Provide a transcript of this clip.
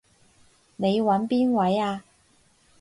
你搵邊位啊？